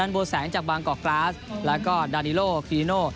อดันโบแสงจากบางกอกกราศแล้วก็ดานิโลคุยดิโน